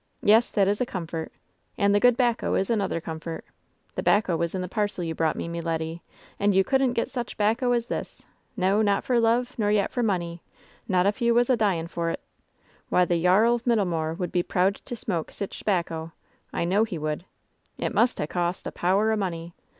Yes, that is a comfort. And the good 'bacco is another comfort. The 'bacco was in the parcel you brouG^ht me, me leddy ; and you couldn't get such 'bacco as this — ^no, not for love, nor yet for money — ^not if you was a dying for 'tl Why, the Yarl o' Middlemoor would be proud to smoke sich 'bacco — ^I know he would I It must ha' cost a power o' money